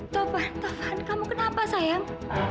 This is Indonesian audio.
toh fan toh fan kamu kenapa sayang